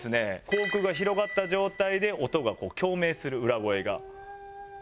口腔が広がった状態で音が共鳴する裏声が。